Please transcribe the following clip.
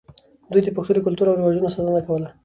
دوی د پښتنو د کلتور او رواجونو ساتنه کوله.